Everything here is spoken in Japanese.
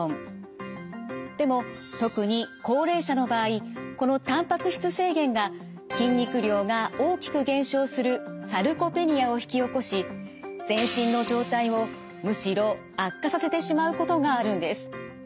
でも特に高齢者の場合このたんぱく質制限が筋肉量が大きく減少するサルコペニアを引き起こし全身の状態をむしろ悪化させてしまうことがあるんです。